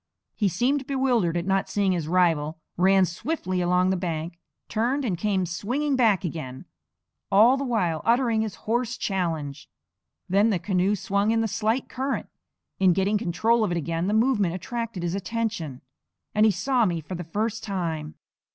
He seemed bewildered at not seeing his rival, ran swiftly along the bank, turned and came swinging back again, all the while uttering his hoarse challenge. Then the canoe swung in the slight current; in getting control of it again the movement attracted his attention, and he saw me for the first time.